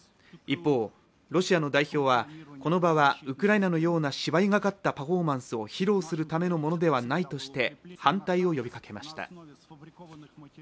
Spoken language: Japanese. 一方、ロシアの代表はこの場はウクライナのような芝居がかったパフォーマンスを披露するためのものではないとして反対を呼びかけました。